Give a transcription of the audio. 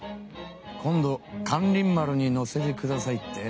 「今度咸臨丸に乗せてください」って？